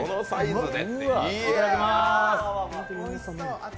いただきます。